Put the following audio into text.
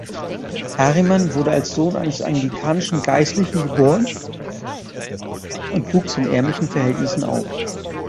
Harriman wurde als Sohn eines anglikanischen Geistlichen geboren und wuchs in ärmlichen Verhältnissen auf.